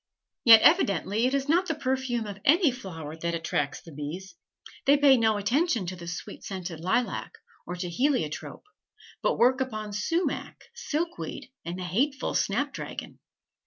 Yet evidently it is not the perfume of any flower that attracts the bees; they pay no attention to the sweet scented lilac, or to heliotrope, but work upon sumach, silkweed, and the hateful snapdragon.